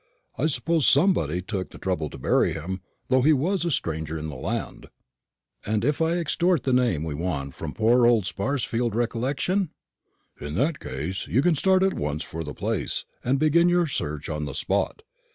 I suppose somebody took the trouble to bury him, though he was a stranger in the land." "And if I extort the name we want from poor old Sparsfield's recollection?" "In that case you can start at once for the place, and begin your search on the spot.